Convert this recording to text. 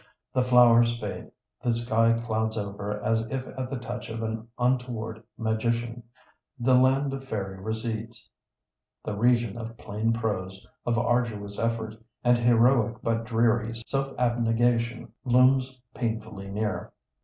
The flowers fade, the sky clouds over as if at the touch of an untoward magician. The land of faery recedes—the region of plain prose, of arduous effort, and heroic but dreary self abnegation looms painfully near.